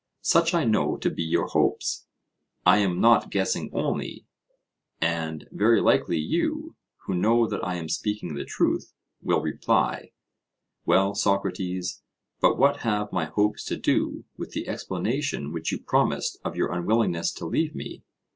Such I know to be your hopes I am not guessing only and very likely you, who know that I am speaking the truth, will reply, Well, Socrates, but what have my hopes to do with the explanation which you promised of your unwillingness to leave me?